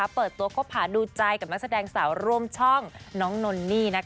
เปิดตัวคบหาดูใจกับนักแสดงสาวร่วมช่องน้องนนนี่